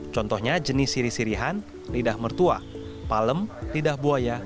contohnya jenis siri sirihan lidah mertua palem lidah buaya